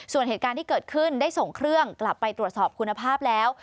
ส่วนเหตุการณ์ที่เกิดขึ้นได้ส่งเครื่องกลับไปตรวจสอบคุณภาพแล้ว